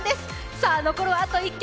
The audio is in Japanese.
さあ、残るはあと１曲！